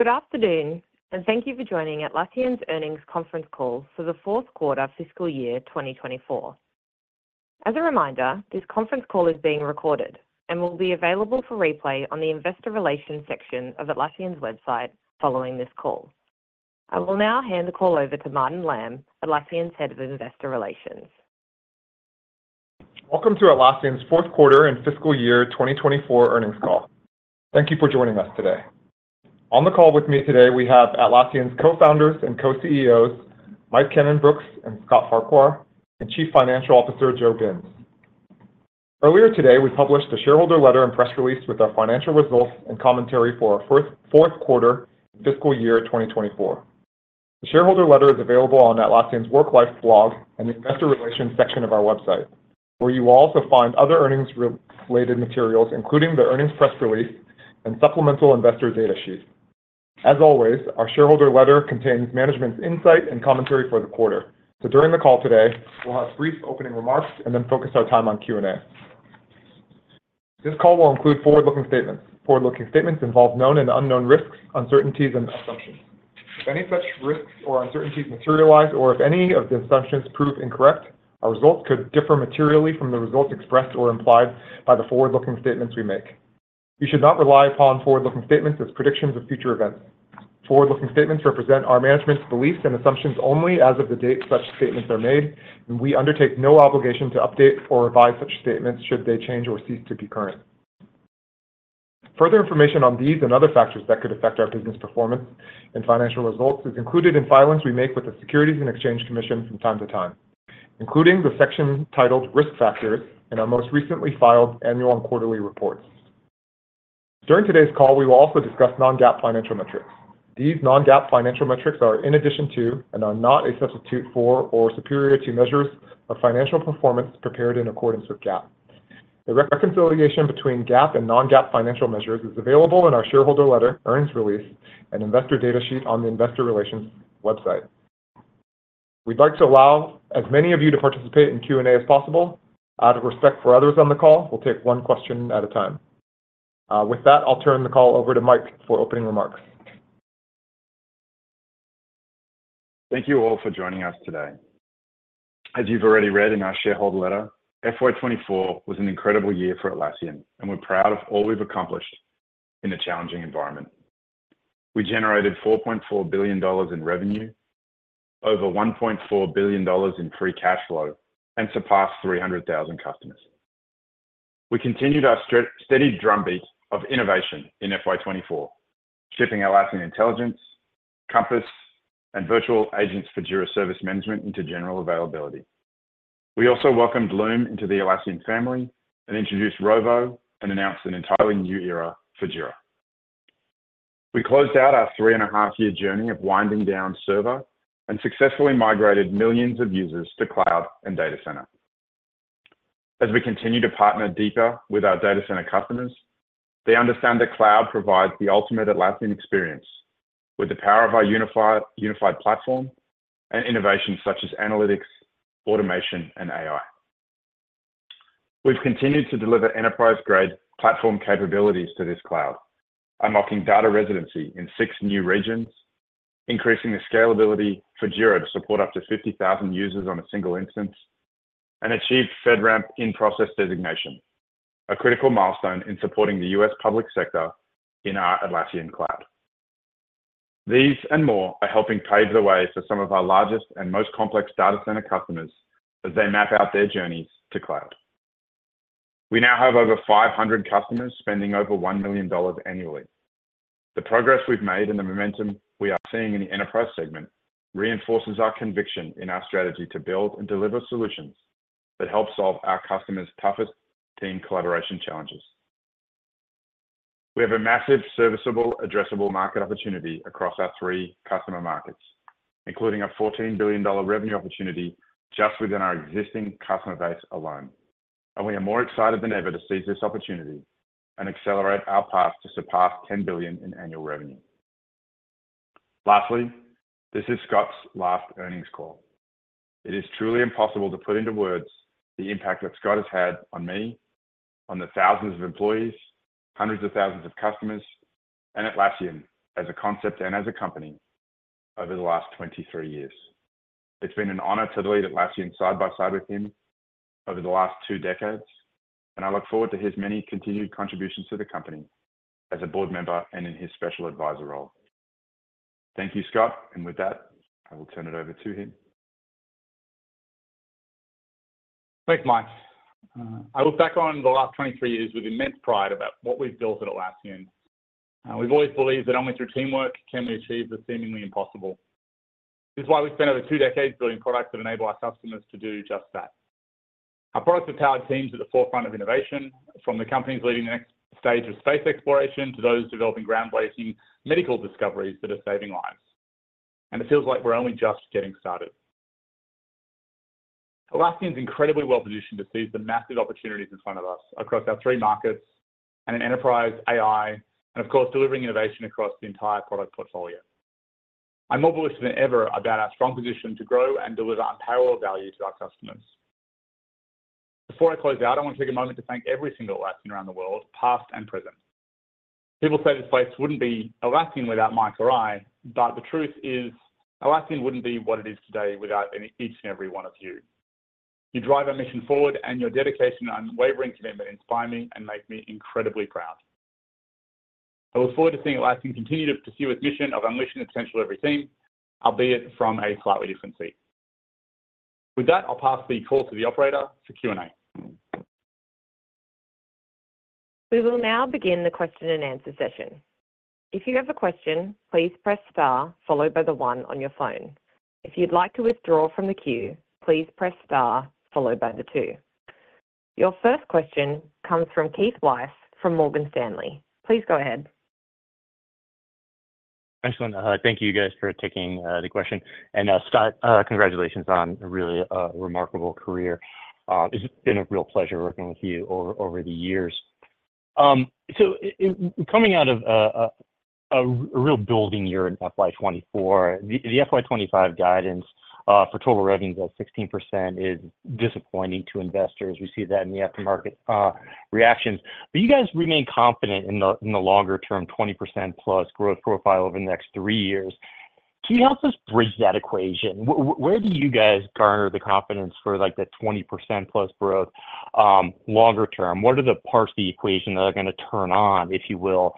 Good afternoon, and thank you for joining Atlassian's earnings conference call for the fourth quarter fiscal year 2024. As a reminder, this conference call is being recorded and will be available for replay on the Investor Relations section of Atlassian's website following this call. I will now hand the call over to Martin Lam, Atlassian's Head of Investor Relations. Welcome to Atlassian's fourth quarter and fiscal year 2024 earnings call. Thank you for joining us today. On the call with me today, we have Atlassian's Co-Founders and Co-CEOs, Mike Cannon-Brookes and Scott Farquhar, and Chief Financial Officer Joe Binz. Earlier today, we published a shareholder letter and press release with our financial results and commentary for our fourth quarter fiscal year 2024. The shareholder letter is available on Atlassian's Work Life blog and the Investor Relations section of our website, where you will also find other earnings-related materials, including the earnings press release and supplemental investor data sheet. As always, our shareholder letter contains management's insight and commentary for the quarter. So, during the call today, we'll have brief opening remarks and then focus our time on Q&A. This call will include forward-looking statements. Forward-looking statements involve known and unknown risks, uncertainties, and assumptions. If any such risks or uncertainties materialize, or if any of the assumptions prove incorrect, our results could differ materially from the results expressed or implied by the forward-looking statements we make. You should not rely upon forward-looking statements as predictions of future events. Forward-looking statements represent our management's beliefs and assumptions only as of the date such statements are made, and we undertake no obligation to update or revise such statements should they change or cease to be current. Further information on these and other factors that could affect our business performance and financial results is included in filings we make with the Securities and Exchange Commission from time to time, including the section titled Risk Factors in our most recently filed annual and quarterly reports. During today's call, we will also discuss non-GAAP financial metrics. These non-GAAP financial metrics are in addition to and are not a substitute for or superior to measures of financial performance prepared in accordance with GAAP. The reconciliation between GAAP and non-GAAP financial measures is available in our shareholder letter, earnings release, and investor data sheet on the Investor Relations website. We'd like to allow as many of you to participate in Q&A as possible. Out of respect for others on the call, we'll take one question at a time. With that, I'll turn the call over to Mike for opening remarks. Thank you all for joining us today. As you've already read in our shareholder letter, FY 2024 was an incredible year for Atlassian, and we're proud of all we've accomplished in a challenging environment. We generated 4.4 billion dollars in revenue, over 1.4 billion dollars in free cash flow, and surpassed 300,000 customers. We continued our steady drumbeat of innovation in FY 2024, shipping Atlassian Intelligence, Compass, and Virtual Agents for Jira Service Management into general availability. We also welcomed Loom into the Atlassian family and introduced Rovo and announced an entirely new era for Jira. We closed out our three-and-a-half-year journey of winding down Server and successfully migrated millions of users to Cloud and Data Center. As we continue to partner deeper with our Data Center customers, they understand that Cloud provides the ultimate Atlassian experience with the power of our unified platform and innovations such as analytics, automation, and AI. We've continued to deliver enterprise-grade platform capabilities to this Cloud, unlocking data residency in six new regions, increasing the scalability for Jira to support up to 50,000 users on a single instance, and achieved FedRAMP in-process designation, a critical milestone in supporting the U.S. public sector in our Atlassian Cloud. These and more are helping pave the way for some of our largest and most complex Data Center customers as they map out their journeys to Cloud. We now have over 500 customers spending over 1 million dollars annually. The progress we've made and the momentum we are seeing in the enterprise segment reinforces our conviction in our strategy to build and deliver solutions that help solve our customers' toughest team collaboration challenges. We have a massive, serviceable, addressable market opportunity across our three customer markets, including a 14 billion dollar revenue opportunity just within our existing customer base alone, and we are more excited than ever to seize this opportunity and accelerate our path to surpass 10 billion in annual revenue. Lastly, this is Scott's last earnings call. It is truly impossible to put into words the impact that Scott has had on me, on the thousands of employees, hundreds of thousands of customers, and Atlassian as a concept and as a company over the last 23 years. It's been an honor to lead Atlassian side by side with him over the last two decades, and I look forward to his many continued contributions to the company as a board member and in his special advisor role. Thank you, Scott, and with that, I will turn it over to him. Thanks, Mike. I look back on the last 23 years with immense pride about what we've built at Atlassian. We've always believed that only through teamwork can we achieve the seemingly impossible. This is why we've spent over two decades building products that enable our customers to do just that. Our products have powered teams at the forefront of innovation, from the companies leading the next stage of space exploration to those developing groundbreaking medical discoveries that are saving lives. It feels like we're only just getting started. Atlassian's incredibly well-positioned to seize the massive opportunities in front of us across our three markets and in enterprise, AI, and of course, delivering innovation across the entire product portfolio. I'm more bullish than ever about our strong position to grow and deliver unparalleled value to our customers. Before I close out, I want to take a moment to thank every single Atlassian around the world, past and present. People say this place wouldn't be Atlassian without Mike or I, but the truth is Atlassian wouldn't be what it is today without each and every one of you. You drive our mission forward, and your dedication and unwavering commitment inspire me and make me incredibly proud. I look forward to seeing Atlassian continue to pursue its mission of unleashing the potential of every team, albeit from a slightly different seat. With that, I'll pass the call to the operator for Q&A. We will now begin the question and answer session. If you have a question, please press star, followed by the one on your phone. If you'd like to withdraw from the queue, please press star, followed by the two. Your first question comes from Keith Weiss from Morgan Stanley. Please go ahead. Excellent. Thank you, guys, for taking the question. And Scott, congratulations on a really remarkable career. It's been a real pleasure working with you over the years. So, coming out of a real building year in FY 2024, the FY 2025 guidance for total revenues at 16% is disappointing to investors. We see that in the aftermarket reactions. But you guys remain confident in the longer-term 20%+ growth profile over the next three years. Can you help us bridge that equation? Where do you guys garner the confidence for the 20%+ growth longer term? What are the parts of the equation that are going to turn on, if you will,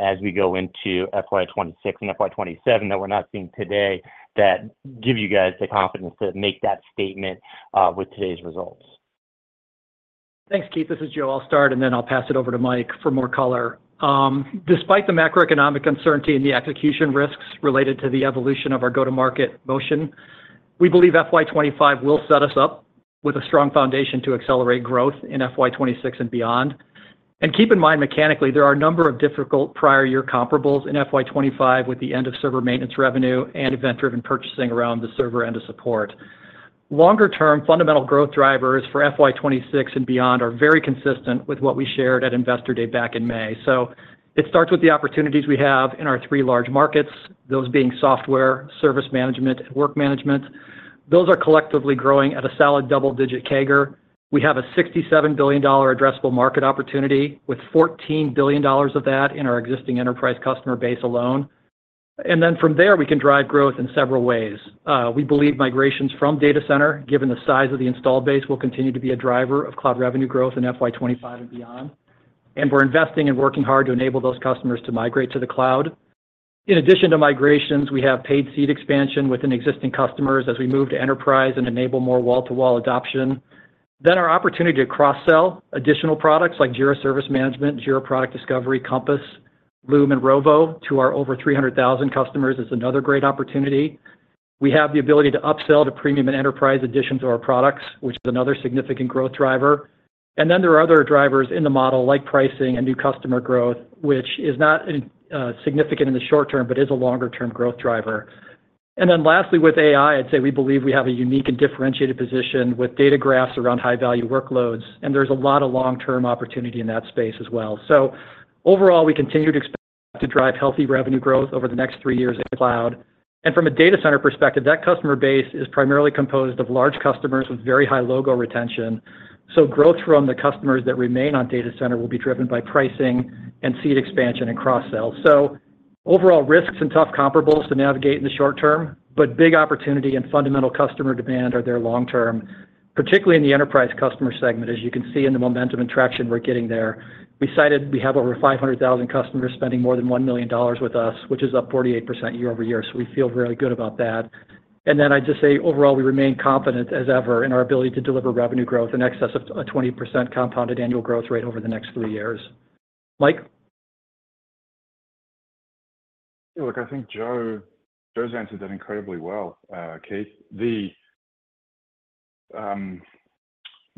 as we go into FY 2026 and FY 2027 that we're not seeing today that give you guys the confidence to make that statement with today's results? Thanks, Keith. This is Joe. I'll start, and then I'll pass it over to Mike for more color. Despite the macroeconomic uncertainty and the execution risks related to the evolution of our go-to-market motion, we believe FY 2025 will set us up with a strong foundation to accelerate growth in FY 2026 and beyond. And keep in mind, mechanically, there are a number of difficult prior-year comparables in FY 2025 with the end of server maintenance revenue and event-driven purchasing around the Server End of Support. Longer-term fundamental growth drivers for FY 2026 and beyond are very consistent with what we shared at Investor Day back in May. So, it starts with the opportunities we have in our three large markets, those being software, service management, and work management. Those are collectively growing at a solid double-digit CAGR. We have a 67 billion dollar addressable market opportunity with 14 billion dollars of that in our existing enterprise customer base alone. And then from there, we can drive growth in several ways. We believe migrations from Data Center, given the size of the installed base, will continue to be a driver of Cloud revenue growth in FY 2025 and beyond. And we're investing and working hard to enable those customers to migrate to the Cloud. In addition to migrations, we have paid seat expansion within existing customers as we move to enterprise and enable more wall-to-wall adoption. Then our opportunity to cross-sell additional products like Jira Service Management, Jira Product Discovery, Compass, Loom, and Rovo to our over 300,000 customers is another great opportunity. We have the ability to upsell to Premium and Enterprise editions of our products, which is another significant growth driver. And then there are other drivers in the model, like pricing and new customer growth, which is not significant in the short term but is a longer-term growth driver. And then lastly, with AI, I'd say we believe we have a unique and differentiated position with data graphs around high-value workloads, and there's a lot of long-term opportunity in that space as well. So, overall, we continue to expect to drive healthy revenue growth over the next three years in Cloud. And from a Data Center perspective, that customer base is primarily composed of large customers with very high logo retention. So, growth from the customers that remain on Data Center will be driven by pricing and seat expansion and cross-sell. So, overall, risks and tough comparables to navigate in the short term, but big opportunity and fundamental customer demand are there long-term, particularly in the enterprise customer segment, as you can see in the momentum and traction we're getting there. We cited we have over 500,000 customers spending more than 1 million dollars with us, which is up 48% year-over-year. So, we feel very good about that. And then I'd just say, overall, we remain confident, as ever, in our ability to deliver revenue growth in excess of a 20% compounded annual growth rate over the next three years. Mike? Yeah, look, I think Joe's answered that incredibly well, Keith.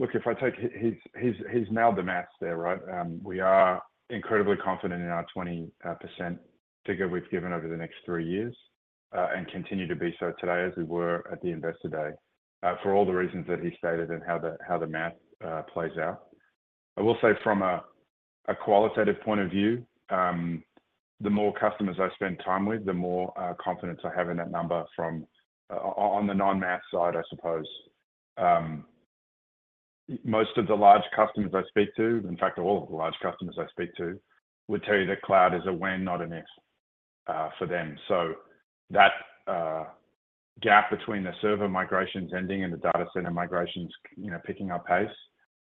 Look, if I take his math to match there, right, we are incredibly confident in our 20% figure we've given over the next three years and continue to be so today as we were at the Investor Day for all the reasons that he stated and how the math plays out. I will say, from a qualitative point of view, the more customers I spend time with, the more confidence I have in that number from on the non-math side, I suppose. Most of the large customers I speak to, in fact, all of the large customers I speak to, would tell you that Cloud is a when, not an if for them. So, that gap between the Server migrations ending and the Data Center migrations picking up pace,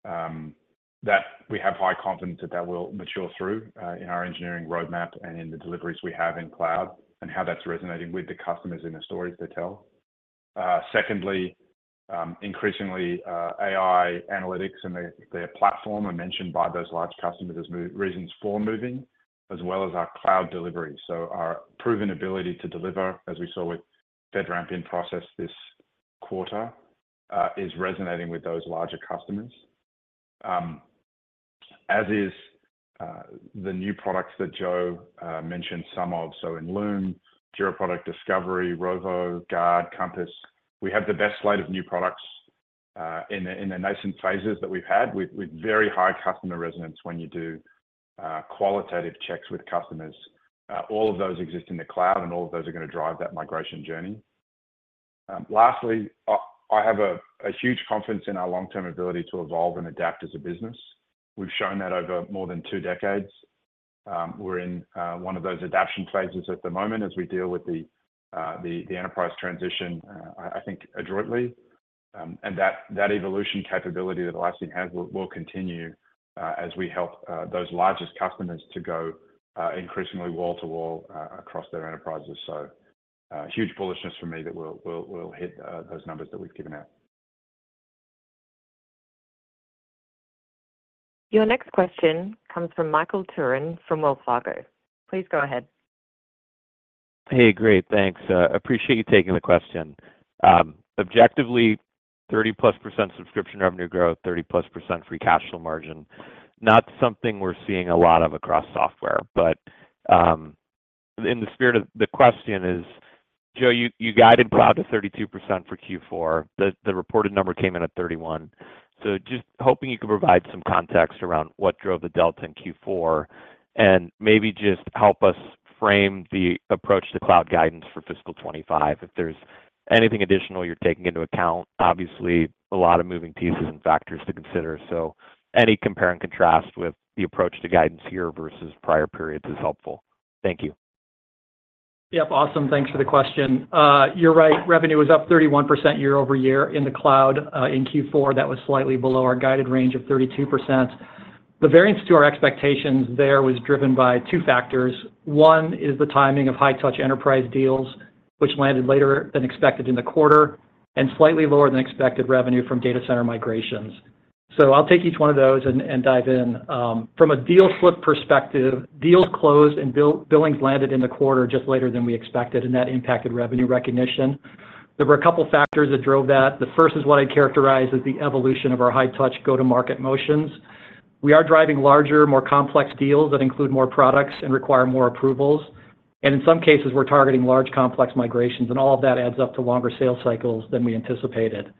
that we have high confidence that that will mature through in our engineering roadmap and in the deliveries we have in Cloud and how that's resonating with the customers in the stories they tell. Secondly, increasingly, AI analytics and their platform are mentioned by those large customers as reasons for moving, as well as our Cloud delivery. So, our proven ability to deliver, as we saw with FedRAMP in process this quarter, is resonating with those larger customers, as is the new products that Joe mentioned some of. So, in Loom, Jira Product Discovery, Rovo, Guard, Compass, we have the best slate of new products in the nascent phases that we've had with very high customer resonance when you do qualitative checks with customers. All of those exist in the Cloud, and all of those are going to drive that migration journey. Lastly, I have a huge confidence in our long-term ability to evolve and adapt as a business. We've shown that over more than two decades. We're in one of those adaptation phases at the moment as we deal with the enterprise transition, I think, adroitly. That evolution capability that Atlassian has will continue as we help those largest customers to go increasingly wall-to-wall across their enterprises. Huge bullishness for me that we'll hit those numbers that we've given out. Your next question comes from Michael Turrin from Wells Fargo. Please go ahead. Hey, great. Thanks. Appreciate you taking the question. Objectively, 30%+ subscription revenue growth, 30%+ free cash flow margin. Not something we're seeing a lot of across software. But in the spirit of the question is, Joe, you guided Cloud to 32% for Q4. The reported number came in at 31%. So, just hoping you could provide some context around what drove the delta in Q4 and maybe just help us frame the approach to Cloud guidance for fiscal 2025. If there's anything additional you're taking into account, obviously, a lot of moving pieces and factors to consider. So, any compare and contrast with the approach to guidance here versus prior periods is helpful. Thank you. Yep. Awesome. Thanks for the question. You're right. Revenue was up 31% year-over-year in the Cloud in Q4. That was slightly below our guided range of 32%. The variance to our expectations there was driven by two factors. One is the timing of high-touch enterprise deals, which landed later than expected in the quarter, and slightly lower than expected revenue from Data Center migrations. So, I'll take each one of those and dive in. From a deal slip perspective, deals closed and billings landed in the quarter just later than we expected, and that impacted revenue recognition. There were a couple of factors that drove that. The first is what I'd characterize as the evolution of our high-touch go-to-market motions. We are driving larger, more complex deals that include more products and require more approvals. And in some cases, we're targeting large, complex migrations, and all of that adds up to longer sales cycles than we anticipated.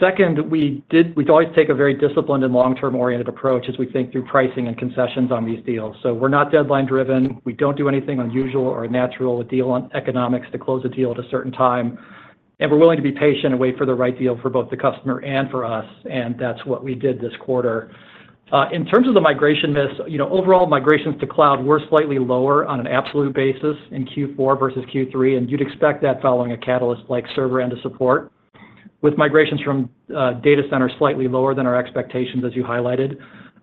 Second, we always take a very disciplined and long-term-oriented approach as we think through pricing and concessions on these deals. So, we're not deadline-driven. We don't do anything unusual or natural with deal economics to close a deal at a certain time. And we're willing to be patient and wait for the right deal for both the customer and for us, and that's what we did this quarter. In terms of the migration miss, overall, migrations to Cloud were slightly lower on an absolute basis in Q4 versus Q3, and you'd expect that following a catalyst like Server End of Support. With migrations from Data Center, slightly lower than our expectations, as you highlighted.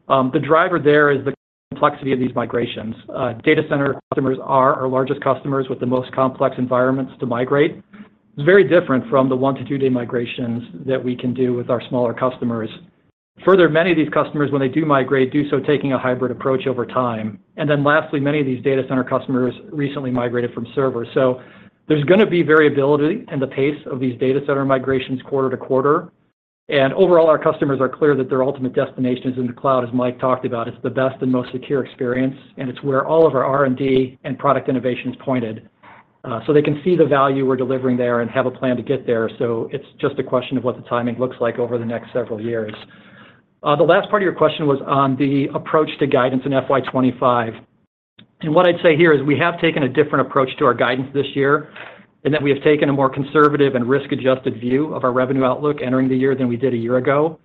The driver there is the complexity of these migrations. Data Center customers are our largest customers with the most complex environments to migrate. It's very different from the one to two day migrations that we can do with our smaller customers. Further, many of these customers, when they do migrate, do so taking a hybrid approach over time. And then lastly, many of these Data Center customers recently migrated from Server. So, there's going to be variability in the pace of these Data Center migrations quarter to quarter. And overall, our customers are clear that their ultimate destination is in the Cloud, as Mike talked about. It's the best and most secure experience, and it's where all of our R&D and product innovation is pointed. So, they can see the value we're delivering there and have a plan to get there. So, it's just a question of what the timing looks like over the next several years. The last part of your question was on the approach to guidance in FY 2025. What I'd say here is we have taken a different approach to our guidance this year in that we have taken a more conservative and risk-adjusted view of our revenue outlook entering the year than we did a year ago.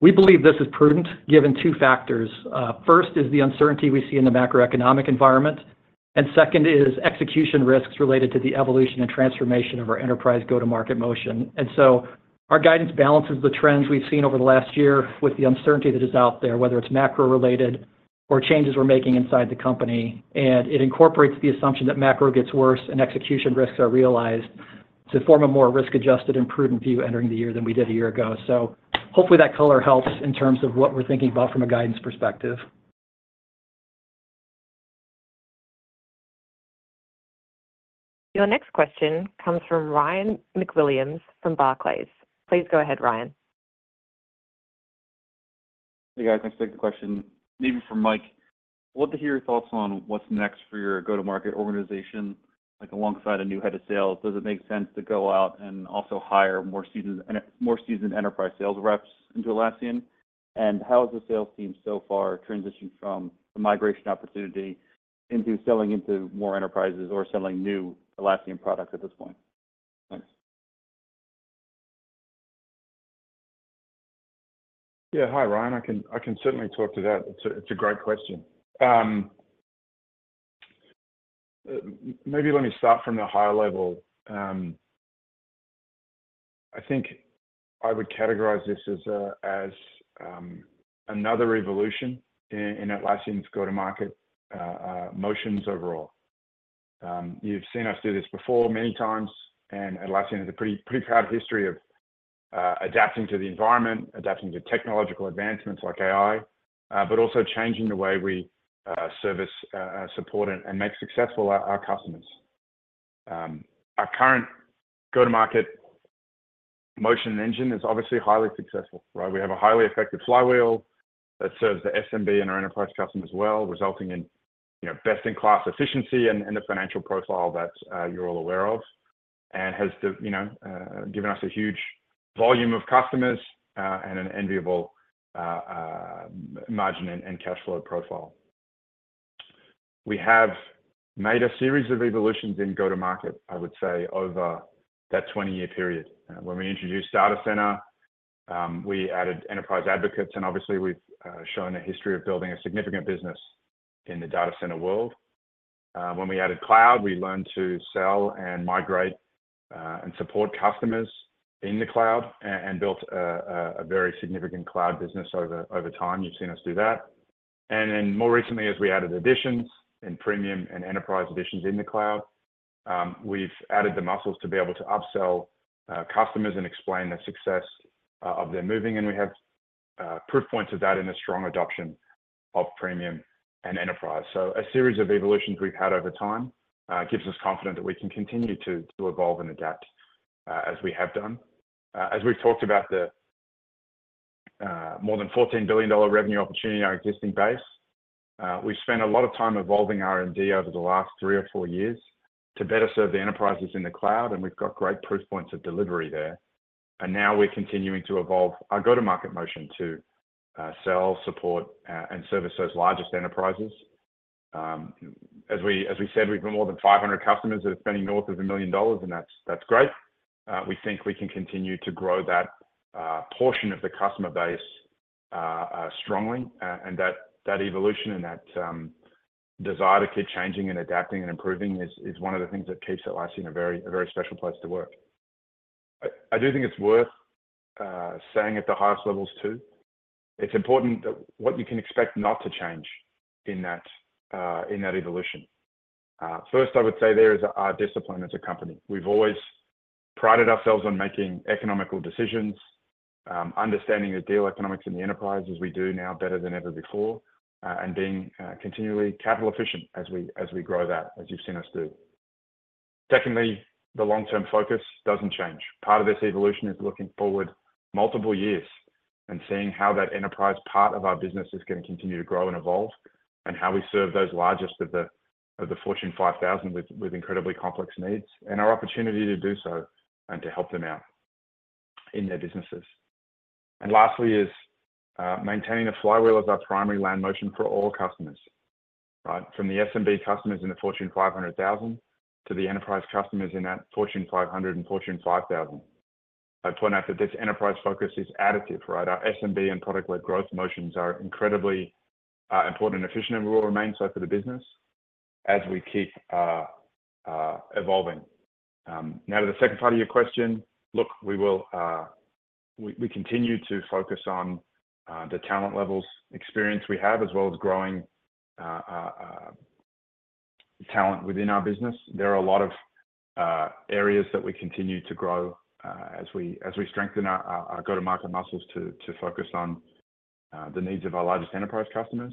We believe this is prudent given two factors. First is the uncertainty we see in the macroeconomic environment, and second is execution risks related to the evolution and transformation of our enterprise go-to-market motion. So, our guidance balances the trends we've seen over the last year with the uncertainty that is out there, whether it's macro-related or changes we're making inside the company. It incorporates the assumption that macro gets worse and execution risks are realized to form a more risk-adjusted and prudent view entering the year than we did a year ago. Hopefully, that color helps in terms of what we're thinking about from a guidance perspective. Your next question comes from Ryan MacWilliams from Barclays. Please go ahead, Ryan. Hey, guys. Thanks for the question. Maybe from Mike. I'd love to hear your thoughts on what's next for your go-to-market organization, alongside a new head of sales. Does it make sense to go out and also hire more seasoned enterprise sales reps into Atlassian? And how has the sales team so far transitioned from the migration opportunity into selling into more enterprises or selling new Atlassian products at this point? Thanks. Yeah. Hi, Ryan. I can certainly talk to that. It's a great question. Maybe let me start from the higher level. I think I would categorize this as another evolution in Atlassian's go-to-market motions overall. You've seen us do this before many times, and Atlassian has a pretty proud history of adapting to the environment, adapting to technological advancements like AI, but also changing the way we service, support, and make successful our customers. Our current go-to-market motion engine is obviously highly successful, right? We have a highly effective flywheel that serves the SMB and our enterprise customers well, resulting in best-in-class efficiency and the financial profile that you're all aware of and has given us a huge volume of customers and an enviable margin and cash flow profile. We have made a series of evolutions in go-to-market, I would say, over that 20 year period. When we introduced Data Center, we added Enterprise Advocates, and obviously, we've shown a history of building a significant business in the Data Center world. When we added Cloud, we learned to sell and migrate and support customers in the Cloud and built a very significant Cloud business over time. You've seen us do that. And then more recently, as we added additions in Premium and Enterprise additions in the Cloud, we've added the muscles to be able to upsell customers and explain the success of their moving, and we have proof points of that in the strong adoption of Premium and Enterprise. So, a series of evolutions we've had over time gives us confidence that we can continue to evolve and adapt as we have done. As we've talked about the more than 14 billion dollar revenue opportunity in our existing base, we've spent a lot of time evolving R&D over the last three or four years to better serve the enterprises in the Cloud, and we've got great proof points of delivery there. And now we're continuing to evolve our go-to-market motion to sell, support, and service those largest enterprises. As we said, we've got more than 500 customers that are spending north of 1 million dollars, and that's great. We think we can continue to grow that portion of the customer base strongly, and that evolution and that desire to keep changing and adapting and improving is one of the things that keeps Atlassian a very special place to work. I do think it's worth saying at the highest levels too, it's important that what you can expect not to change in that evolution. First, I would say there is our discipline as a company. We've always prided ourselves on making economical decisions, understanding the deal economics in the enterprises we do now better than ever before, and being continually capital-efficient as we grow that, as you've seen us do. Secondly, the long-term focus doesn't change. Part of this evolution is looking forward multiple years and seeing how that enterprise part of our business is going to continue to grow and evolve and how we serve those largest of the Fortune 5,000 with incredibly complex needs and our opportunity to do so and to help them out in their businesses. And lastly is maintaining a flywheel as our primary land motion for all customers, right? From the SMB customers in the Fortune 500,000 to the enterprise customers in that Fortune 500 and Fortune 5,000. I point out that this enterprise focus is additive, right? Our SMB and product-led growth motions are incredibly important and efficient, and we will remain so for the business as we keep evolving. Now, to the second part of your question, look, we continue to focus on the talent levels, experience we have, as well as growing talent within our business. There are a lot of areas that we continue to grow as we strengthen our go-to-market muscles to focus on the needs of our largest enterprise customers.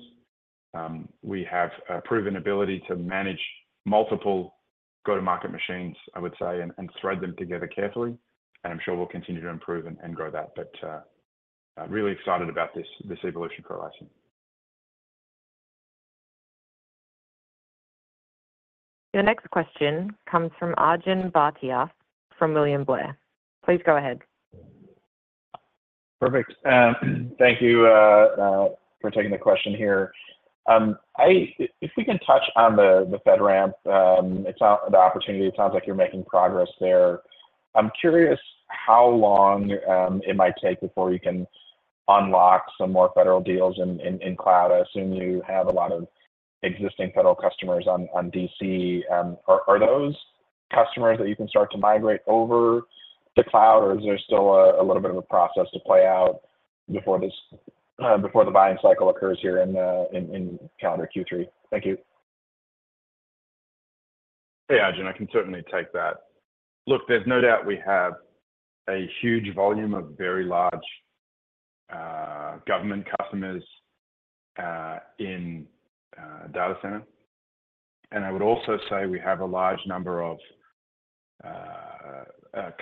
We have a proven ability to manage multiple go-to-market machines, I would say, and thread them together carefully, and I'm sure we'll continue to improve and grow that. But really excited about this evolution for Atlassian. Your next question comes from Arjun Bhatia from William Blair. Please go ahead. Perfect. Thank you for taking the question here. If we can touch on the FedRAMP, the opportunity, it sounds like you're making progress there. I'm curious how long it might take before you can unlock some more federal deals in Cloud. I assume you have a lot of existing federal customers on DC. Are those customers that you can start to migrate over to Cloud, or is there still a little bit of a process to play out before the buying cycle occurs here in calendar Q3? Thank you. Hey, Arjun, I can certainly take that. Look, there's no doubt we have a huge volume of very large government customers in Data Center. I would also say we have a large number of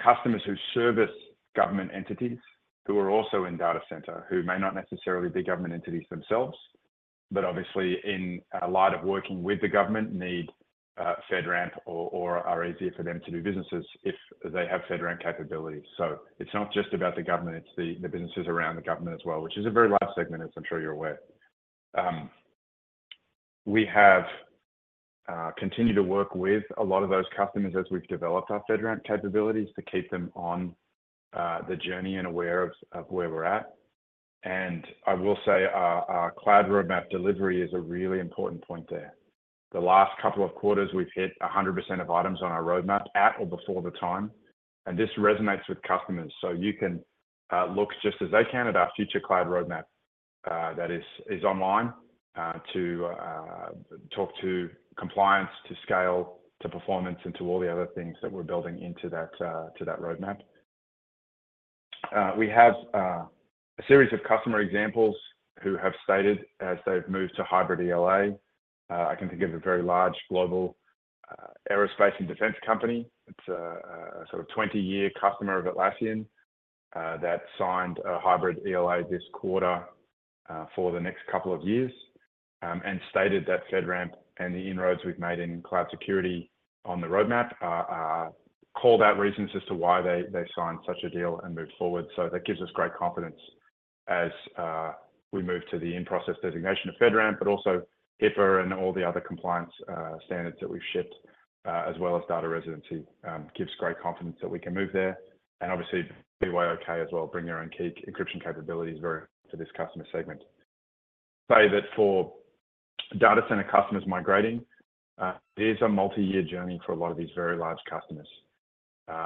customers who service government entities who are also in Data Center, who may not necessarily be government entities themselves, but obviously, in light of working with the government, need FedRAMP or are easier for them to do business if they have FedRAMP capability. So, it's not just about the government. It's the businesses around the government as well, which is a very large segment, as I'm sure you're aware. We have continued to work with a lot of those customers as we've developed our FedRAMP capabilities to keep them on the journey and aware of where we're at. And I will say our Cloud roadmap delivery is a really important point there. The last couple of quarters, we've hit 100% of items on our roadmap at or before the time, and this resonates with customers. So, you can look just as they can at our future Cloud roadmap that is online to talk to compliance, to scale, to performance, and to all the other things that we're building into that roadmap. We have a series of customer examples who have stated, as they've moved to hybrid ELA. I can think of a very large global aerospace and defense company. It's a sort of 20 year customer of Atlassian that signed a hybrid ELA this quarter for the next couple of years and stated that FedRAMP and the inroads we've made in Cloud security on the roadmap are called out reasons as to why they signed such a deal and moved forward. So, that gives us great confidence as we move to the in-process designation of FedRAMP, but also HIPAA and all the other compliance standards that we've shipped, as well as data residency, gives great confidence that we can move there. And obviously, BYOK as well, bringing your own key encryption capabilities for this customer segment. Say that for Data Center customers migrating, it is a multi-year journey for a lot of these very large customers.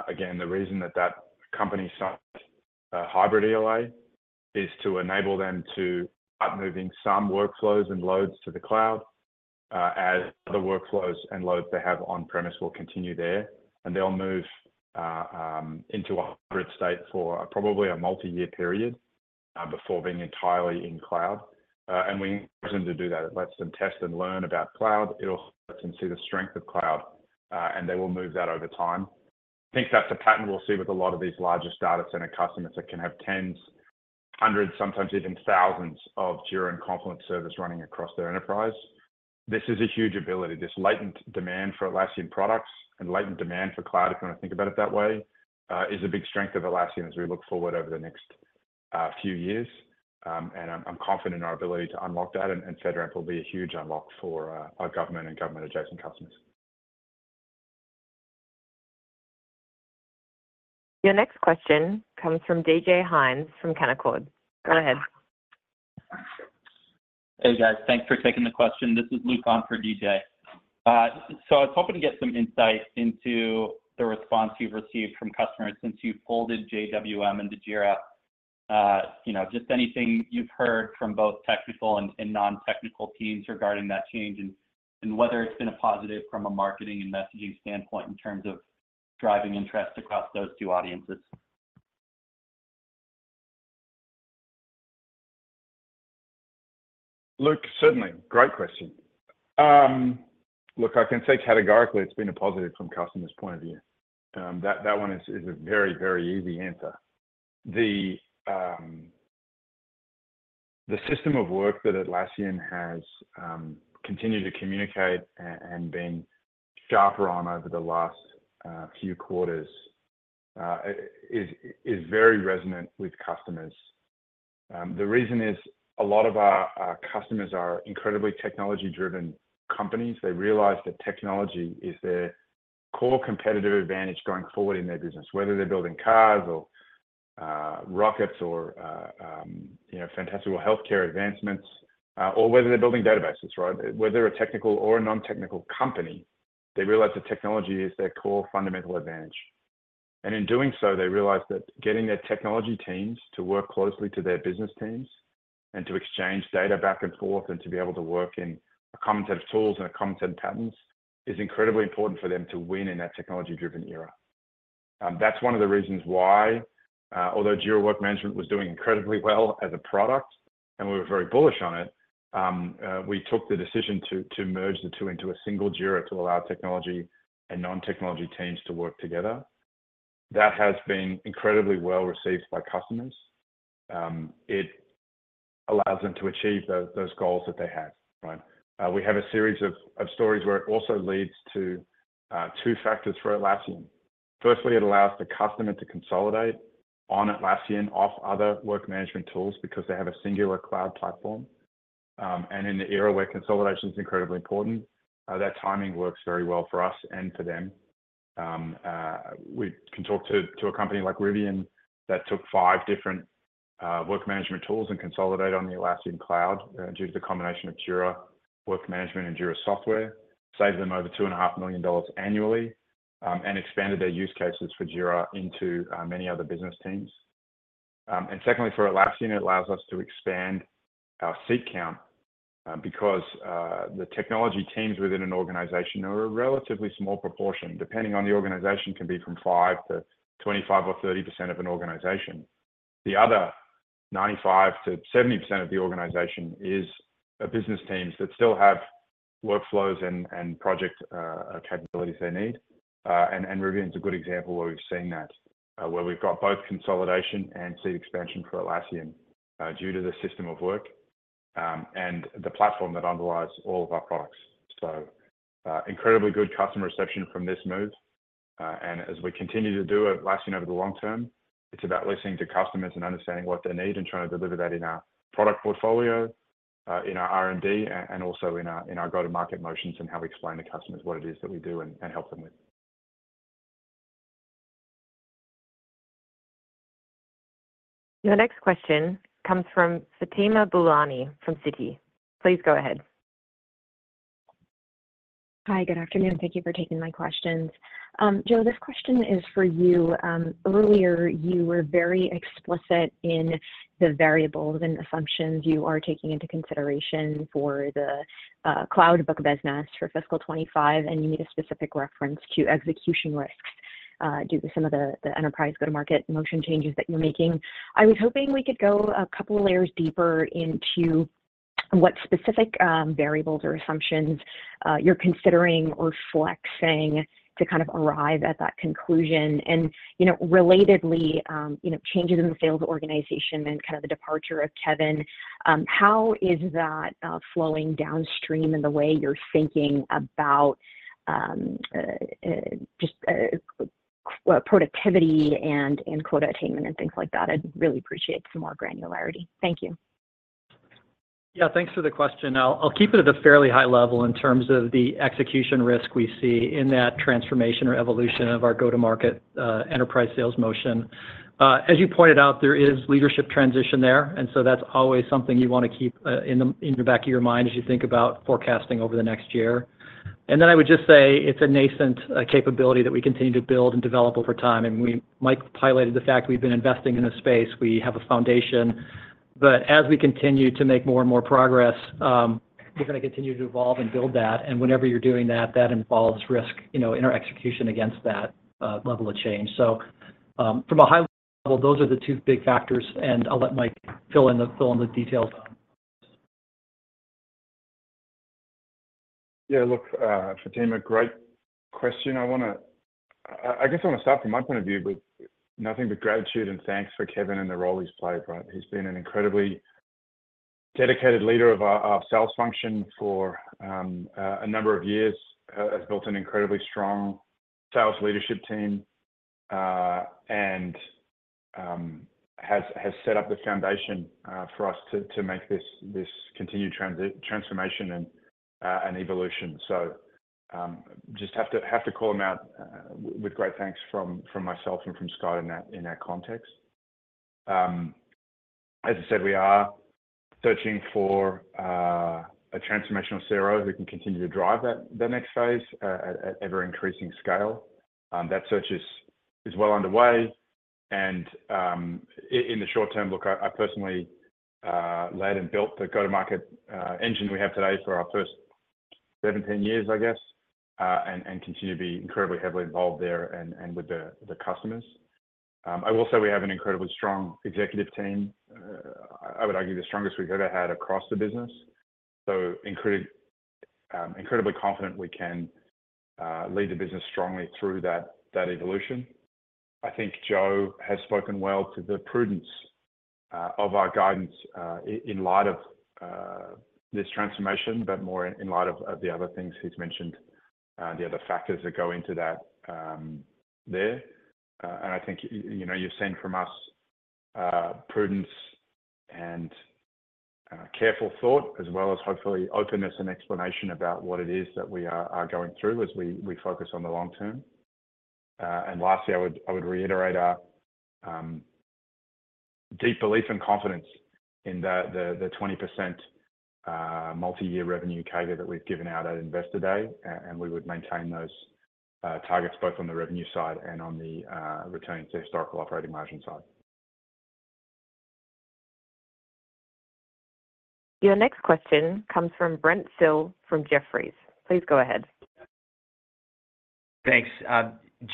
Again, the reason that that company signed hybrid ELA is to enable them to start moving some workflows and loads to the Cloud, as other workflows and loads they have on-premises will continue there, and they'll move into a hybrid state for probably a multi-year period before being entirely in Cloud. And we encourage them to do that. It lets them test and learn about Cloud. It also lets them see the strength of Cloud, and they will move that over time. I think that's a pattern we'll see with a lot of these largest Data Center customers that can have 10s, 100s, sometimes even 1,000s of Jira and Confluence service running across their enterprise. This is a huge ability. This latent demand for Atlassian products and latent demand for Cloud, if you want to think about it that way, is a big strength of Atlassian as we look forward over the next few years. And I'm confident in our ability to unlock that, and FedRAMP will be a huge unlock for our government and government-adjacent customers. Your next question comes from DJ Hynes from Canaccord. Go ahead. Hey, guys. Thanks for taking the question. This is Luke on for DJ. So, I was hoping to get some insight into the response you've received from customers since you've pulled in JWM into Jira. Just anything you've heard from both technical and non-technical teams regarding that change and whether it's been a positive from a marketing and messaging standpoint in terms of driving interest across those two audiences? Look, certainly. Great question. Look, I can say categorically it's been a positive from customer's point of view. That one is a very, very easy answer. The system of work that Atlassian has continued to communicate and been sharper on over the last few quarters is very resonant with customers. The reason is a lot of our customers are incredibly technology-driven companies. They realize that technology is their core competitive advantage going forward in their business, whether they're building cars or rockets or fantastical healthcare advancements, or whether they're building databases, right? Whether a technical or a non-technical company, they realize that technology is their core fundamental advantage. In doing so, they realize that getting their technology teams to work closely to their business teams and to exchange data back and forth and to be able to work in a common set of tools and a common set of patterns is incredibly important for them to win in that technology-driven era. That's one of the reasons why, although Jira Work Management was doing incredibly well as a product and we were very bullish on it, we took the decision to merge the two into a single Jira to allow technology and non-technology teams to work together. That has been incredibly well received by customers. It allows them to achieve those goals that they have, right? We have a series of stories where it also leads to two factors for Atlassian. Firstly, it allows the customer to consolidate on Atlassian from other work management tools because they have a singular Cloud platform. In the era where consolidation is incredibly important, that timing works very well for us and for them. We can talk to a company like Rivian that took five different work management tools and consolidated on the Atlassian Cloud due to the combination of Jira Work Management and Jira Software, saved them over 2.5 million dollars annually, and expanded their use cases for Jira into many other business teams. Secondly, for Atlassian, it allows us to expand our seat count because the technology teams within an organization are a relatively small proportion. Depending on the organization, it can be from 5%-25% or 30% of an organization. The other 95%-70% of the organization is business teams that still have workflows and project capabilities they need. Rivian is a good example where we've seen that, where we've got both consolidation and seat expansion for Atlassian due to the system of work and the platform that underlies all of our products. Incredibly good customer reception from this move. As we continue to do Atlassian over the long term, it's about listening to customers and understanding what they need and trying to deliver that in our product portfolio, in our R&D, and also in our go-to-market motions and how we explain to customers what it is that we do and help them with. Your next question comes from Fatima Boolani from Citi. Please go ahead. Hi, good afternoon. Thank you for taking my questions. Joe, this question is for you. Earlier, you were very explicit in the variables and assumptions you are taking into consideration for the Cloud book of business for fiscal 2025, and you need a specific reference to execution risks due to some of the enterprise go-to-market motion changes that you're making. I was hoping we could go a couple of layers deeper into what specific variables or assumptions you're considering or flexing to kind of arrive at that conclusion. And relatedly, changes in the sales organization and kind of the departure of Kevin, how is that flowing downstream in the way you're thinking about just productivity and quota attainment and things like that? I'd really appreciate some more granularity. Thank you. Yeah, thanks for the question. I'll keep it at a fairly high level in terms of the execution risk we see in that transformation or evolution of our go-to-market enterprise sales motion. As you pointed out, there is leadership transition there, and so that's always something you want to keep in the back of your mind as you think about forecasting over the next year. And then I would just say it's a nascent capability that we continue to build and develop over time. And Mike highlighted the fact we've been investing in a space. We have a foundation. But as we continue to make more and more progress, we're going to continue to evolve and build that. And whenever you're doing that, that involves risk in our execution against that level of change. So, from a high level, those are the two big factors, and I'll let Mike fill in the details on those. Yeah, look, Fatima, great question. I guess I want to start from my point of view with nothing but gratitude and thanks for Kevin and the role he's played, right? He's been an incredibly dedicated leader of our sales function for a number of years, has built an incredibly strong sales leadership team, and has set up the foundation for us to make this continued transformation and evolution. So, just have to call him out with great thanks from myself and from Scott in that context. As I said, we are searching for a transformational CRO who can continue to drive that next phase at ever-increasing scale. That search is well underway. And in the short term, look, I personally led and built the go-to-market engine we have today for our first 17 years, I guess, and continue to be incredibly heavily involved there and with the customers. I will say we have an incredibly strong executive team. I would argue the strongest we've ever had across the business. So, incredibly confident we can lead the business strongly through that evolution. I think Joe has spoken well to the prudence of our guidance in light of this transformation, but more in light of the other things he's mentioned, the other factors that go into that there. And I think you've seen from us prudence and careful thought, as well as hopefully openness and explanation about what it is that we are going through as we focus on the long term. And lastly, I would reiterate our deep belief and confidence in the 20% multi-year revenue target that we've given out at Investor Day, and we would maintain those targets both on the revenue side and on the return to historical operating margin side. Your next question comes from Brent Thill from Jefferies. Please go ahead. Thanks.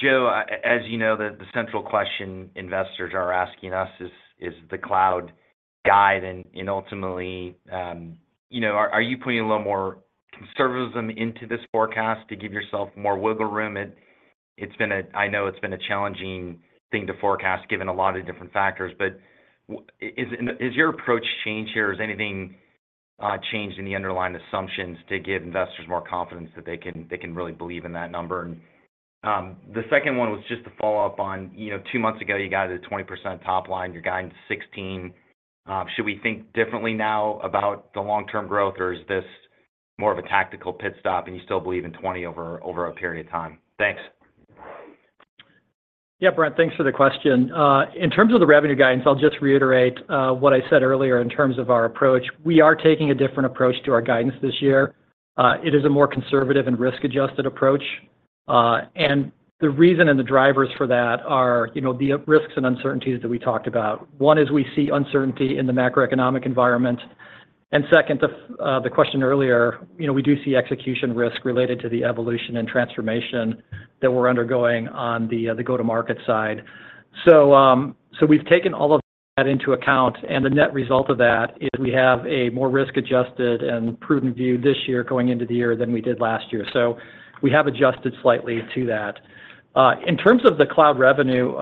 Joe, as you know, the central question investors are asking us is the Cloud guide. Ultimately, are you putting a little more conservatism into this forecast to give yourself more wiggle room? I know it's been a challenging thing to forecast given a lot of different factors, but has your approach changed here? Has anything changed in the underlying assumptions to give investors more confidence that they can really believe in that number? The second one was just to follow up on two months ago. You got to the 20% top line; you're guiding to 16%. Should we think differently now about the long-term growth, or is this more of a tactical pit stop and you still believe in 20% over a period of time? Thanks. Yeah, Brent, thanks for the question. In terms of the revenue guidance, I'll just reiterate what I said earlier in terms of our approach. We are taking a different approach to our guidance this year. It is a more conservative and risk-adjusted approach. And the reason and the drivers for that are the risks and uncertainties that we talked about. One is we see uncertainty in the macroeconomic environment. And second, the question earlier, we do see execution risk related to the evolution and transformation that we're undergoing on the go-to-market side. So we've taken all of that into account, and the net result of that is we have a more risk-adjusted and prudent view this year going into the year than we did last year. So we have adjusted slightly to that. In terms of the Cloud revenue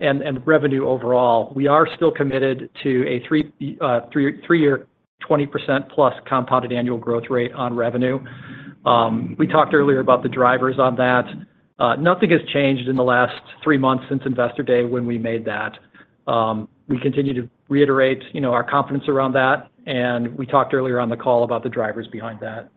and revenue overall, we are still committed to a three year 20%+ compounded annual growth rate on revenue. We talked earlier about the drivers on that. Nothing has changed in the last three months since Investor Day when we made that. We continue to reiterate our confidence around that, and we talked earlier on the call about the drivers behind that.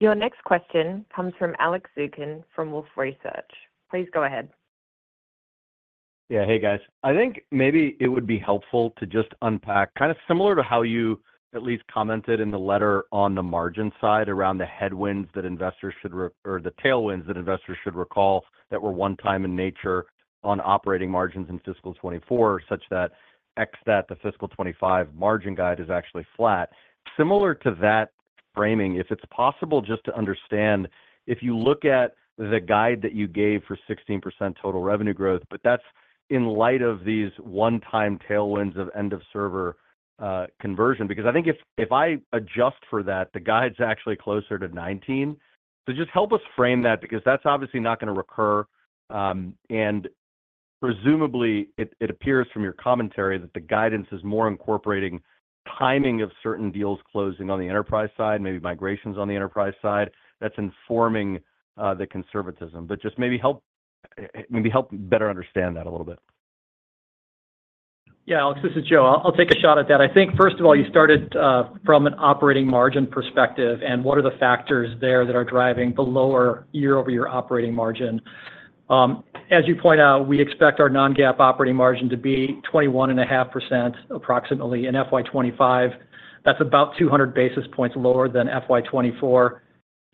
Your next question comes from Alex Zukin from Wolfe Research. Please go ahead. Yeah, hey, guys. I think maybe it would be helpful to just unpack kind of similar to how you at least commented in the letter on the margin side around the headwinds that investors should or the tailwinds that investors should recall that were one-time in nature on operating margins in fiscal 2024, such that that the fiscal 2025 margin guide is actually flat. Similar to that framing, if it's possible just to understand, if you look at the guide that you gave for 16% total revenue growth, but that's in light of these one-time tailwinds of end-of-server conversion, because I think if I adjust for that, the guide's actually closer to 19%. So just help us frame that because that's obviously not going to recur. Presumably, it appears from your commentary that the guidance is more incorporating timing of certain deals closing on the enterprise side, maybe migrations on the enterprise side. That's informing the conservatism. But just maybe help better understand that a little bit? Yeah, Alex, this is Joe. I'll take a shot at that. I think, first of all, you started from an operating margin perspective, and what are the factors there that are driving the lower year-over-year operating margin? As you point out, we expect our non-GAAP operating margin to be 21.5% approximately in FY 2025. That's about 200 basis points lower than FY 2024.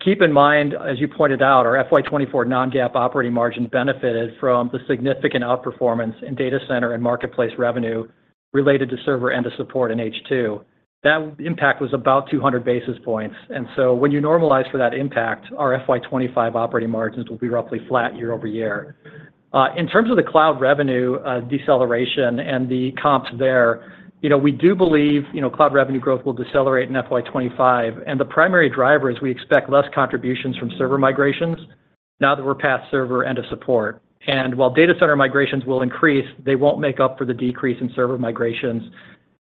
Keep in mind, as you pointed out, our FY 2024 non-GAAP operating margin benefited from the significant outperformance in Data Center and Marketplace revenue related to Server End of Support in H2. That impact was about 200 basis points. And so when you normalize for that impact, our FY 2025 operating margins will be roughly flat year-over-year. In terms of the Cloud revenue deceleration and the comps there, we do believe Cloud revenue growth will decelerate in FY 2025. The primary driver is we expect less contributions from Server migrations now that we're past Server End of Support. While Data Center migrations will increase, they won't make up for the decrease in Server migrations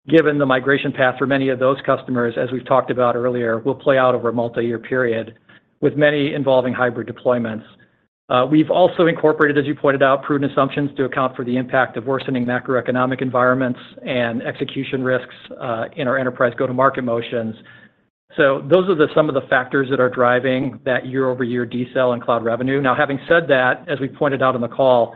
given the migration path for many of those customers, as we've talked about earlier, will play out over a multi-year period with many involving hybrid deployments. We've also incorporated, as you pointed out, prudent assumptions to account for the impact of worsening macroeconomic environments and execution risks in our enterprise go-to-market motions. Those are some of the factors that are driving that year-over-year decel in Cloud revenue. Now, having said that, as we pointed out on the call,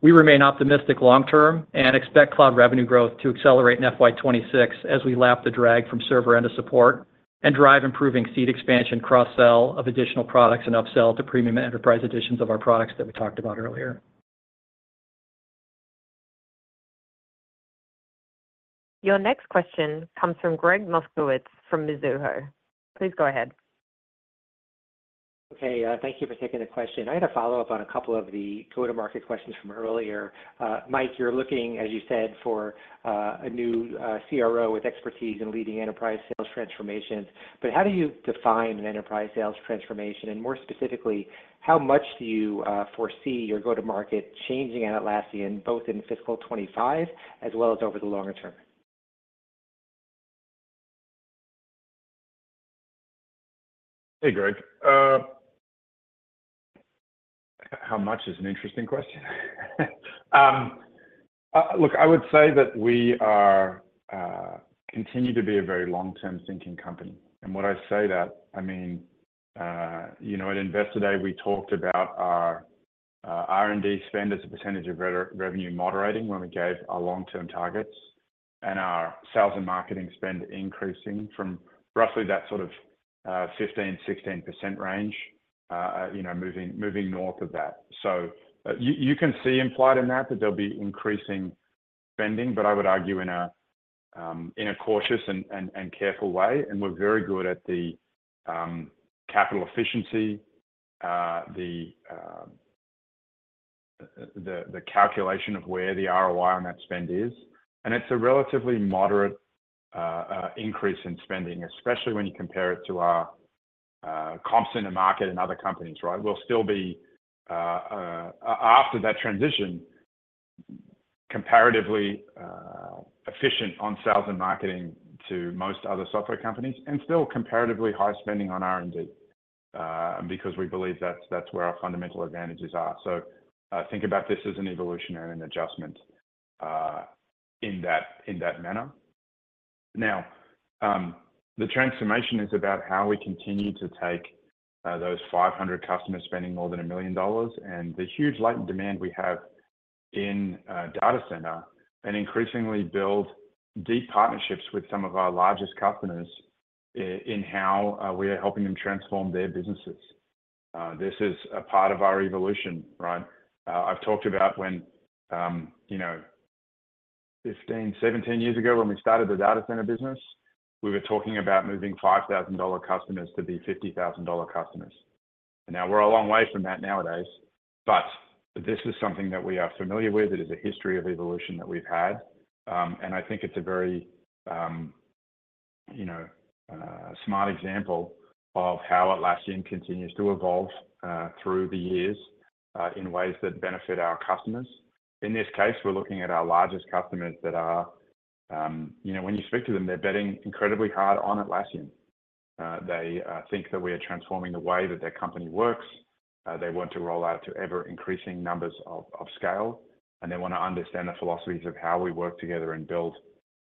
we remain optimistic long-term and expect Cloud revenue growth to accelerate in FY 2026 as we lap the drag from Server End of Support and drive improving seat expansion cross-sell of additional products and upsell to premium enterprise editions of our products that we talked about earlier. Your next question comes from Gregg Moskowitz from Mizuho. Please go ahead. Okay, thank you for taking the question. I had a follow-up on a couple of the go-to-market questions from earlier. Mike, you're looking, as you said, for a new CRO with expertise in leading enterprise sales transformations. But how do you define an enterprise sales transformation? And more specifically, how much do you foresee your go-to-market changing at Atlassian, both in fiscal 2025 as well as over the longer term? Hey, Gregg. How much is an interesting question? Look, I would say that we continue to be a very long-term thinking company. And when I say that, I mean, at Investor Day, we talked about our R&D spend as a percentage of revenue moderating when we gave our long-term targets, and our sales and marketing spend increasing from roughly that sort of 15%-16% range, moving north of that. So you can see implied in that that there'll be increasing spending, but I would argue in a cautious and careful way. And we're very good at the capital efficiency, the calculation of where the ROI on that spend is. And it's a relatively moderate increase in spending, especially when you compare it to our comps in the market and other companies, right? We'll still be, after that transition, comparatively efficient on sales and marketing to most other software companies and still comparatively high spending on R&D because we believe that's where our fundamental advantages are. So think about this as an evolutionary adjustment in that manner. Now, the transformation is about how we continue to take those 500 customers spending more than 1 million dollars and the huge light and demand we have in Data Center and increasingly build deep partnerships with some of our largest customers in how we are helping them transform their businesses. This is a part of our evolution, right? I've talked about when 15, 17 years ago when we started the Data Center business, we were talking about moving 5,000 dollar customers to be 50,000 dollar customers. And now we're a long way from that nowadays, but this is something that we are familiar with. It is a history of evolution that we've had. And I think it's a very smart example of how Atlassian continues to evolve through the years in ways that benefit our customers. In this case, we're looking at our largest customers that are when you speak to them, they're betting incredibly hard on Atlassian. They think that we are transforming the way that their company works. They want to roll out to ever-increasing numbers of scale, and they want to understand the philosophies of how we work together and build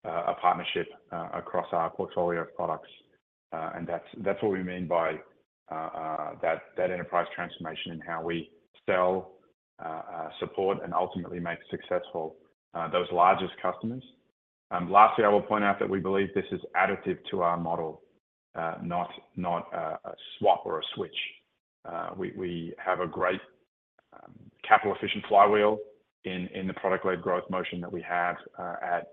a partnership across our portfolio of products. And that's what we mean by that enterprise transformation and how we sell, support, and ultimately make successful those largest customers. Lastly, I will point out that we believe this is additive to our model, not a swap or a switch. We have a great capital-efficient flywheel in the product-led growth motion that we have at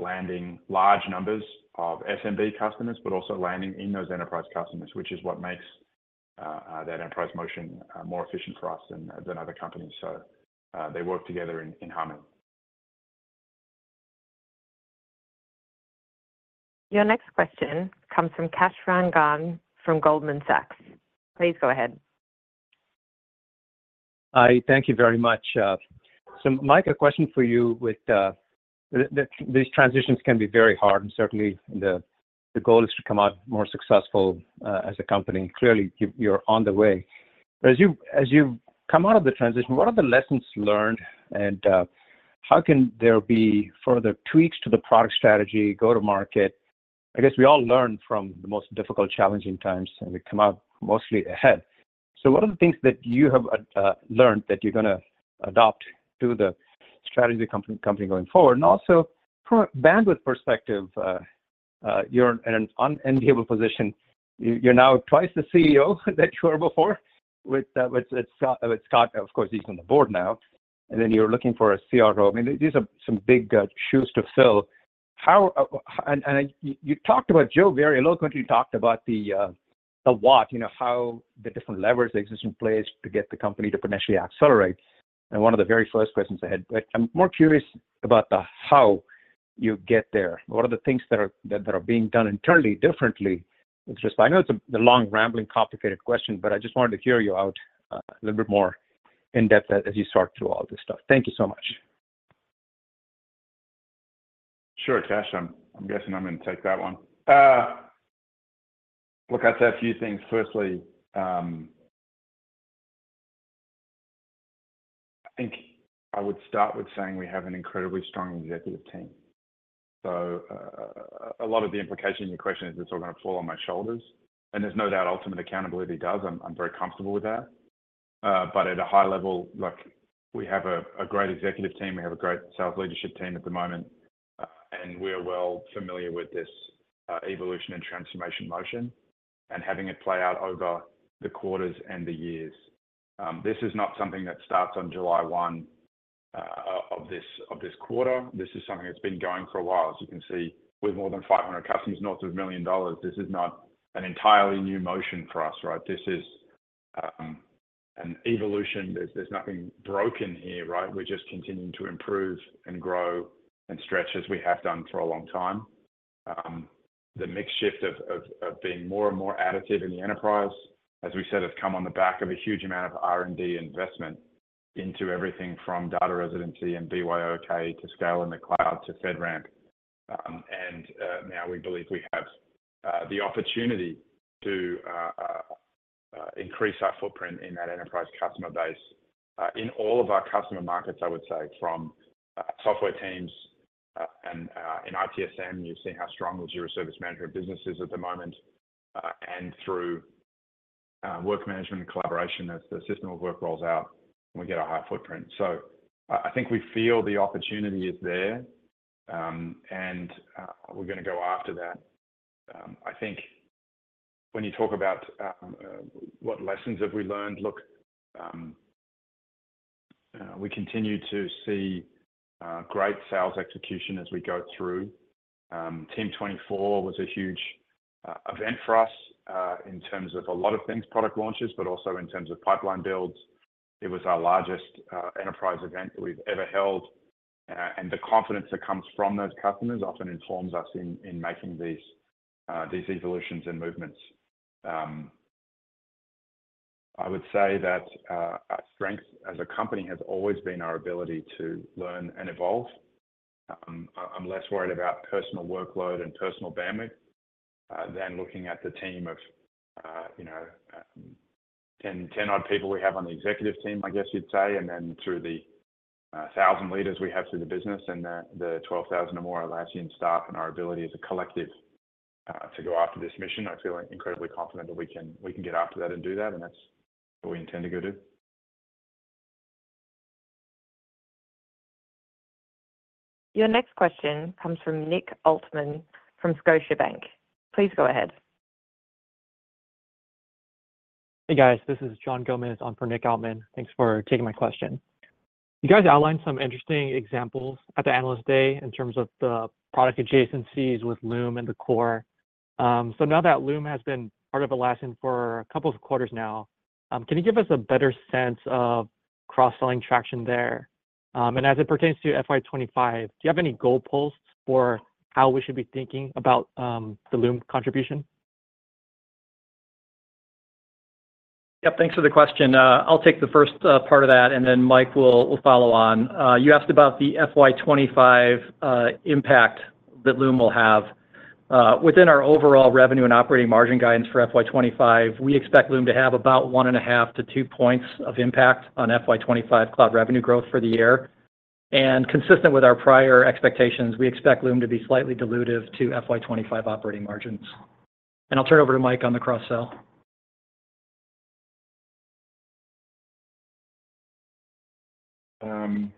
landing large numbers of SMB customers, but also landing in those enterprise customers, which is what makes that enterprise motion more efficient for us than other companies. So they work together in harmony. Your next question comes from Kash Rangan from Goldman Sachs. Please go ahead. Hi, thank you very much. So Mike, a question for you: with these transitions can be very hard, and certainly the goal is to come out more successful as a company. Clearly, you're on the way. As you come out of the transition, what are the lessons learned, and how can there be further tweaks to the product strategy, go-to-market? I guess we all learn from the most difficult, challenging times, and we come out mostly ahead. So what are the things that you have learned that you're going to adopt to the strategy of the company going forward? And also, from a bandwidth perspective, you're in an unenviable position. You're now twice the CEO that you were before, with Scott, of course; he's on the board now. And then you're looking for a CRO. I mean, these are some big shoes to fill. You talked about Joe very eloquently. You talked about the what, how the different levers exist in place to get the company to potentially accelerate. One of the very first questions I had, but I'm more curious about the how you get there. What are the things that are being done internally differently? I know it's a long, rambling, complicated question, but I just wanted to hear you out a little bit more in depth as you sort through all this stuff. Thank you so much. Sure, Kash. I'm guessing I'm going to take that one. Look, I'd say a few things. Firstly, I think I would start with saying we have an incredibly strong executive team. So a lot of the implication of your question is it's all going to fall on my shoulders. And there's no doubt ultimate accountability does. I'm very comfortable with that. But at a high level, look, we have a great executive team. We have a great sales leadership team at the moment, and we are well familiar with this evolution and transformation motion and having it play out over the quarters and the years. This is not something that starts on July 1 of this quarter. This is something that's been going for a while. As you can see, with more than 500 customers, north of 1 million dollars, this is not an entirely new motion for us, right? This is an evolution. There's nothing broken here, right? We're just continuing to improve and grow and stretch as we have done for a long time. The mixed shift of being more and more additive in the enterprise, as we said, has come on the back of a huge amount of R&D investment into everything from data residency and BYOK to scale in the Cloud to FedRAMP. And now we believe we have the opportunity to increase our footprint in that enterprise customer base in all of our customer markets, I would say, from software teams and in ITSM. You've seen how strong the Jira Service Management business is at the moment. And through work management and collaboration, as the system of work rolls out, we get a higher footprint. So I think we feel the opportunity is there, and we're going to go after that. I think when you talk about what lessons have we learned, look, we continue to see great sales execution as we go through. Team '24 was a huge event for us in terms of a lot of things, product launches, but also in terms of pipeline builds. It was our largest enterprise event that we've ever held. The confidence that comes from those customers often informs us in making these evolutions and movements. I would say that our strength as a company has always been our ability to learn and evolve. I'm less worried about personal workload and personal bandwidth than looking at the team of 10 odd people we have on the executive team, I guess you'd say, and then through the 1,000 leaders we have through the business and the 12,000 or more Atlassian staff and our ability as a collective to go after this mission. I feel incredibly confident that we can get after that and do that, and that's what we intend to go do. Your next question comes from Nick Altmann from Scotiabank. Please go ahead. Hey, guys. This is John Gomez. I'm for Nick Altmann. Thanks for taking my question. You guys outlined some interesting examples at the Analyst Day in terms of the product adjacencies with Loom and the Core. So now that Loom has been part of Atlassian for a couple of quarters now, can you give us a better sense of cross-selling traction there? And as it pertains to FY 2025, do you have any goalposts for how we should be thinking about the Loom contribution? Yep. Thanks for the question. I'll take the first part of that, and then Mike will follow on. You asked about the FY 2025 impact that Loom will have. Within our overall revenue and operating margin guidance for FY 2025, we expect Loom to have about 1.5 points-2 points of impact on FY 2025 Cloud revenue growth for the year. And consistent with our prior expectations, we expect Loom to be slightly dilutive to FY 2025 operating margins. And I'll turn it over to Mike on the cross-sell. I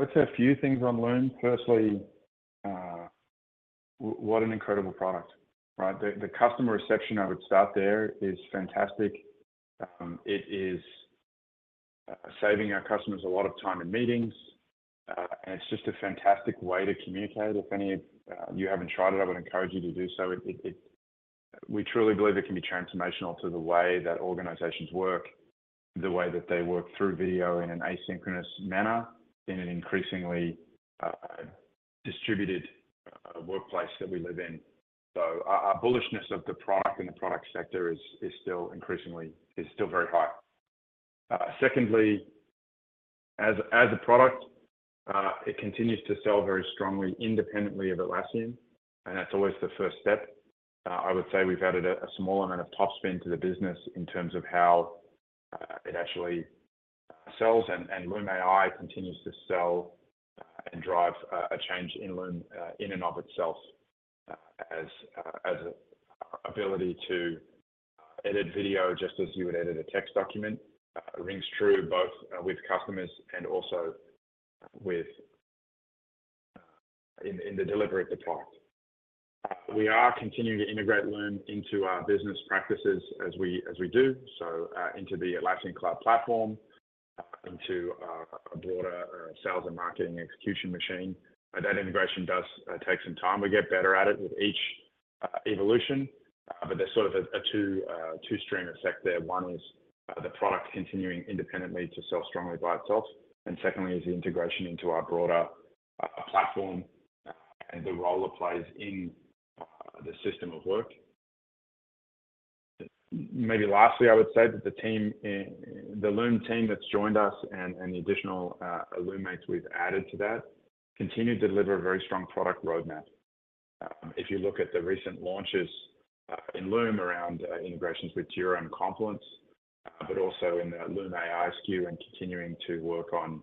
would say a few things on Loom. Firstly, what an incredible product, right? The customer reception, I would start there, is fantastic. It is saving our customers a lot of time in meetings, and it's just a fantastic way to communicate. If any of you haven't tried it, I would encourage you to do so. We truly believe it can be transformational to the way that organizations work, the way that they work through video in an asynchronous manner in an increasingly distributed workplace that we live in. So our bullishness of the product and the product sector is still very high. Secondly, as a product, it continues to sell very strongly independently of Atlassian, and that's always the first step. I would say we've added a small amount of top spin to the business in terms of how it actually sells, and Loom AI continues to sell and drive a change in and of itself as an ability to edit video just as you would edit a text document. Rings true both with customers and also in the delivery of the product. We are continuing to integrate Loom into our business practices as we do, so into the Atlassian Cloud Platform, into a broader sales and marketing execution machine. That integration does take some time. We get better at it with each evolution, but there's sort of a two-strand effect there. One is the product continuing independently to sell strongly by itself, and secondly is the integration into our broader platform and the role it plays in the system of work. Maybe lastly, I would say that the team, the Loom team that's joined us and the additional Loommates we've added to that continue to deliver a very strong product roadmap. If you look at the recent launches in Loom around integrations with Jira and Confluence, but also in the Loom AI SKU and continuing to work on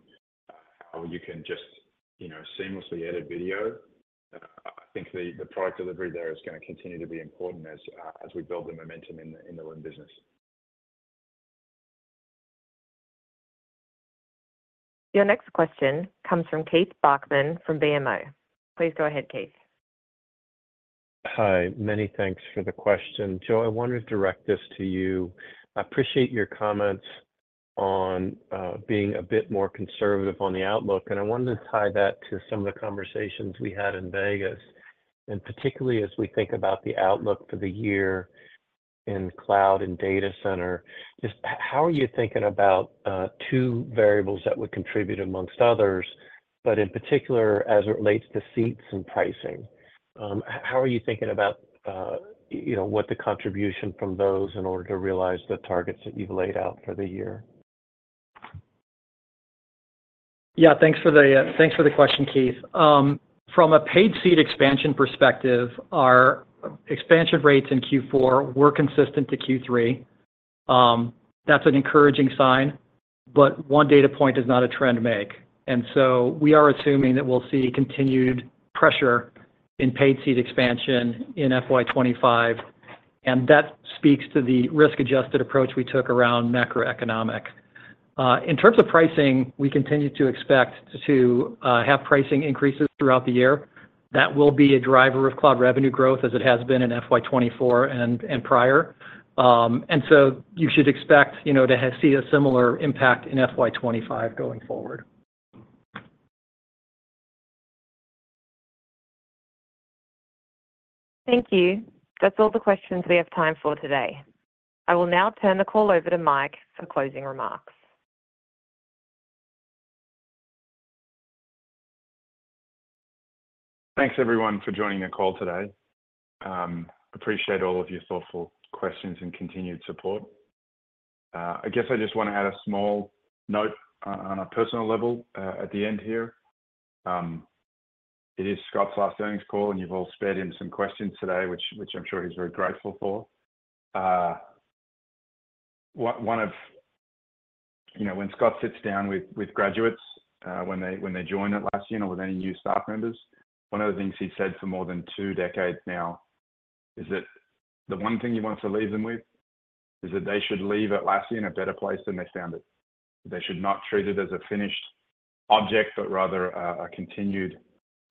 how you can just seamlessly edit video, I think the product delivery there is going to continue to be important as we build the momentum in the Loom business. Your next question comes from Keith Bachman from BMO. Please go ahead, Keith. Hi. Many thanks for the question. Joe, I want to direct this to you. I appreciate your comments on being a bit more conservative on the outlook, and I wanted to tie that to some of the conversations we had in Las Vegas. Particularly as we think about the outlook for the year in Cloud and Data Center, just how are you thinking about two variables that would contribute among others, but in particular as it relates to seats and pricing? How are you thinking about what the contribution from those in order to realize the targets that you've laid out for the year? Yeah. Thanks for the question, Keith. From a paid seat expansion perspective, our expansion rates in Q4 were consistent to Q3. That's an encouraging sign, but one data point is not a trend make. And so we are assuming that we'll see continued pressure in paid seat expansion in FY 2025, and that speaks to the risk-adjusted approach we took around macroeconomic. In terms of pricing, we continue to expect to have pricing increases throughout the year. That will be a driver of Cloud revenue growth as it has been in FY 2024 and prior. And so you should expect to see a similar impact in FY 2025 going forward. Thank you. That's all the questions we have time for today. I will now turn the call over to Mike for closing remarks. Thanks, everyone, for joining the call today. Appreciate all of your thoughtful questions and continued support. I guess I just want to add a small note on a personal level at the end here. It is Scott's last earnings call, and you've all spared him some questions today, which I'm sure he's very grateful for. When Scott sits down with graduates, when they join Atlassian or with any new staff members, one of the things he's said for more than two decades now is that the one thing you want to leave them with is that they should leave Atlassian a better place than they found it. They should not treat it as a finished object, but rather a continued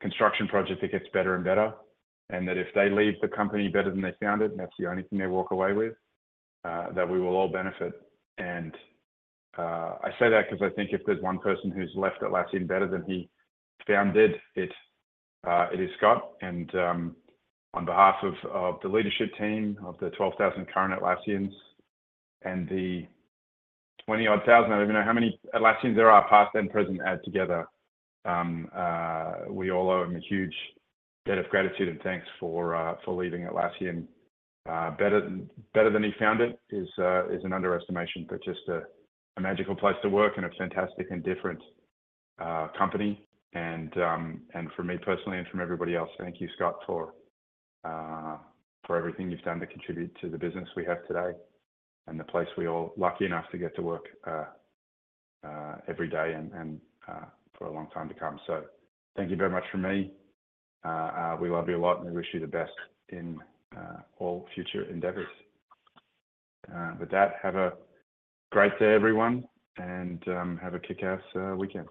construction project that gets better and better. And that if they leave the company better than they found it, and that's the only thing they walk away with, that we will all benefit. And I say that because I think if there's one person who's left Atlassian better than he found it, it is Scott. And on behalf of the leadership team of the 12,000 current Atlassians and the 20 odd thousand, I don't even know how many Atlassians there are past and present add together, we all owe him a huge debt of gratitude and thanks for leaving Atlassian better than he found it is an underestimation, but just a magical place to work in a fantastic and different company. For me personally and from everybody else, thank you, Scott, for everything you've done to contribute to the business we have today and the place we're all lucky enough to get to work every day and for a long time to come. Thank you very much from me. We love you a lot, and we wish you the best in all future endeavors. With that, have a great day, everyone, and have a kick-ass weekend.